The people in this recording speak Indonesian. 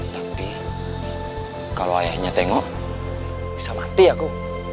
tapi kalau ayahnya tengok bisa mati aku